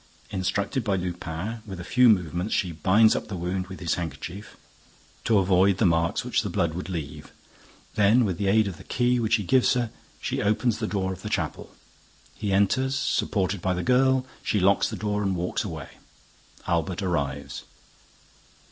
Instructed by Lupin, with a few movements she binds up the wound with his handkerchief, to avoid the marks which the blood would leave. Then, with the aid of the key which he gives her, she opens the door of the chapel. He enters, supported by the girl. She locks the door again and walks away. Albert arrives.